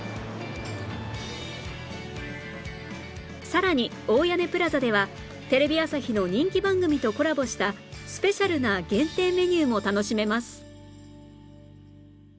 さらに大屋根プラザではテレビ朝日の人気番組とコラボしたスペシャルな限定メニューも楽しめます